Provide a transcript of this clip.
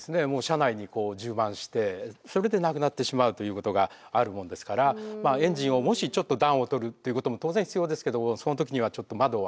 車内に充満してそれで亡くなってしまうということがあるもんですからエンジンをもしちょっと暖をとるということも当然必要ですけどもその時にはちょっと窓を開けてですね